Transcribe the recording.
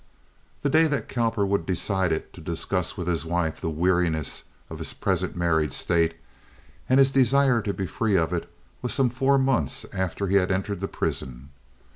The day that Cowperwood decided to discuss with his wife the weariness of his present married state and his desire to be free of it was some four months after he had entered the prison.